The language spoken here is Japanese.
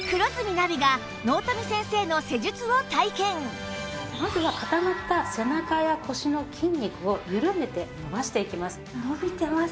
ではまずは固まった背中や腰の筋肉をゆるめて伸ばしていきます。